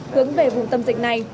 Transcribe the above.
hướng về vùng tâm dịch này